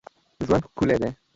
ژوند ښکلی دی.